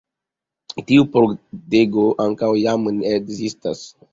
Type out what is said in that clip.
Tiu pordego ankaŭ jam ne ekzistas.